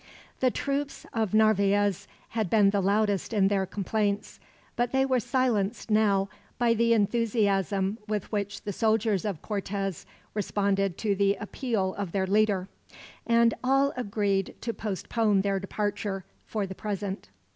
The troops of Narvaez had been the loudest in their complaints, but they were silenced now by the enthusiasm with which the soldiers of Cortez responded to the appeal of their leader; and all agreed to postpone their departure, for the present.